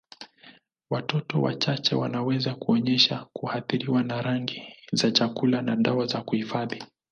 Watoto wachache wanaweza kuonyesha kuathiriwa na rangi za chakula na dawa za kuhifadhi.